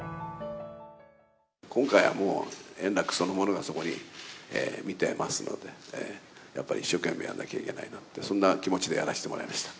今回はもう円楽そのものがそこに見てますので、やっぱり一生懸命やんなきゃいけないなって、そんな気持ちでやらせてもらいました。